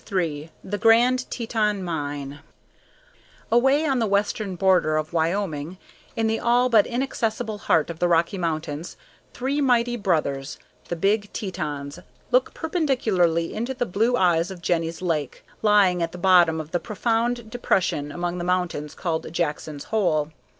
III THE GRAND TETON MINE Away on the western border of Wyoming, in the all but inaccessible heart of the Rocky Mountains, three mighty brothers, "The Big Tetons," look perpendicularly into the blue eye of Jenny's Lake, lying at the bottom of the profound depression among the mountains called Jackson's Hole.